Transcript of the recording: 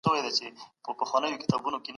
هغوی په هره چاره کي عدالت غواړي.